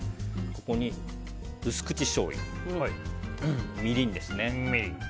ここに薄口しょうゆ、みりん。